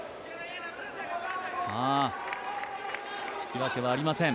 引き分けはありません。